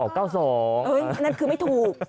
เห้ยนั่นคือไม่ถูก